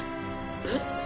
えっ？